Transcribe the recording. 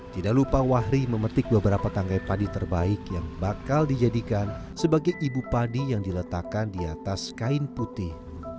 tidak lupa wahri memetik beberapa tanggai padi terbaik yang bakal dijadikan sebagai ibu padi yang diletakkan di atas kain putih